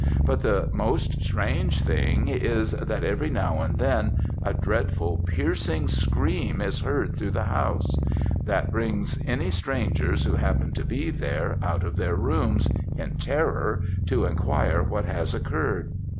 but the most strange thing is, that every now and then a dreadful piercing scream is heard through the house, that brings any strangers who happen to be there, out of their rooms, in terror, to enquire what has occurred.